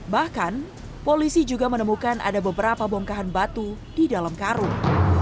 bahkan polisi juga menemukan ada beberapa bongkahan batu di dalam karung